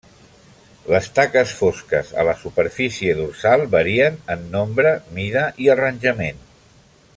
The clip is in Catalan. Les taques fosques a la superfície dorsal varien en nombre, mida i arranjament.